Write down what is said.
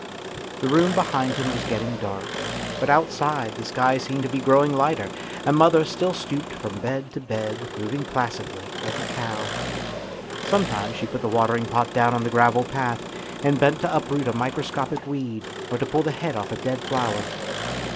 The room behind him was getting dark, but outside the sky seemed to be growing lighter, and mother still stooped from bed to bed, moving placidly, like a cow,. Some times she put the watering pot down on the gravel path, and bent to uproot a microscopic weed or to pull the head off a dead flower.